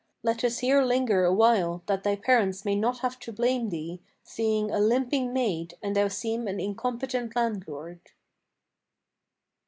Let us here linger awhile that thy parents may not have to blame thee, Seeing a limping maid, and thou seem an incompetent landlord."